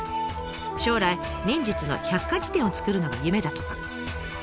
将来忍術の百科事典を作るのが夢だとか。